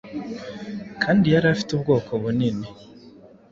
Kandi yari afite ubwoko bunini